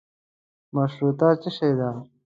مشروطه څشي ده.